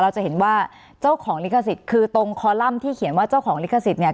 จะเห็นว่าเจ้าของลิขสิทธิ์คือตรงคอลัมป์ที่เขียนว่าเจ้าของลิขสิทธิเนี่ย